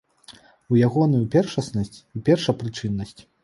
У ягоную першаснасць і першапрычыннасць.